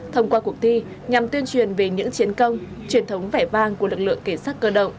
thông qua cuộc thi nhằm tuyên truyền về những chiến công truyền thống vẻ vang của lực lượng cảnh sát cơ động